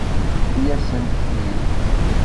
Yewwi-yasent-ten-id.